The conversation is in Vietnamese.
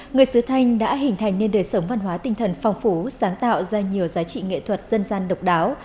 người sứ thanh đã hình thành nên đời sống văn hóa tinh thần phong phú sáng tạo ra nhiều giá trị nghệ thuật dân gian độc đáo